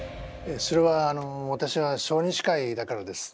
それはあのわたしは小児歯科医だからです。